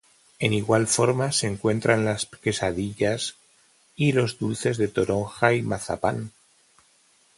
En igual forma se encuentran las quesadillas, y los dulces de toronja y mazapán.